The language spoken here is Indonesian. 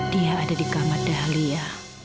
dia ada di kamar dahlia